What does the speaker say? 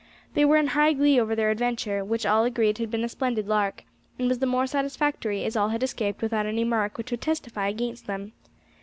They were in high glee over their adventure, which all agreed had been a splendid lark, and was the more satisfactory as all had escaped without any mark which would testify against them.